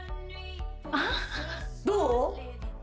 あっどう？